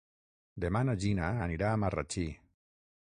Demà na Gina anirà a Marratxí.